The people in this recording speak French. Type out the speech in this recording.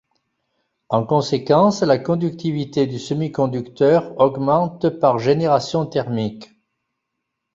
En conséquence, la conductivité du semi-conducteur augmente par génération thermique.